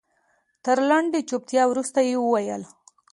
تر لنډې چوپتيا وروسته يې وويل.